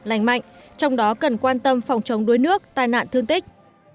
lành mạnh trong đó cần quan tâm phòng chống đuối nước tai nạn thương tích